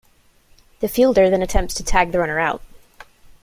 The fielder then attempts to tag the runner out.